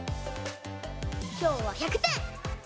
きょうは１００点。